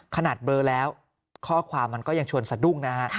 เบลอแล้วข้อความมันก็ยังชวนสะดุ้งนะฮะ